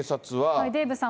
デーブさん